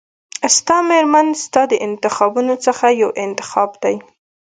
ستا مېرمن ستا د انتخابونو څخه یو انتخاب دی.